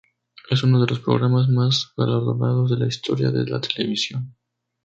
Es uno de los programas más galardonados de la historia de la televisión.